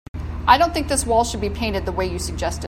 I don't think this wall should be painted the way you suggested.